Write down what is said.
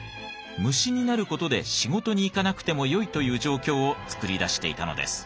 虫になる事で仕事に行かなくてもよいという状況をつくり出していたのです。